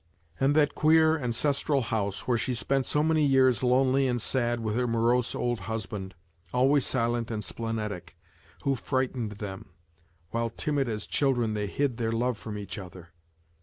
" And that queer ances tral house where she spent so many years lonely and sad with her morose old husband, always silent and splenetic, who frightened them, while timid as children they hid their love from each other